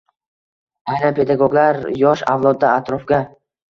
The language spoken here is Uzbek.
Aynan pedagoglar yosh avlodda atrofga